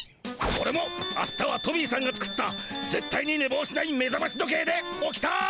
オレもあしたはトミーさんが作ったぜっ対にねぼうしないめざまし時計で起きたい！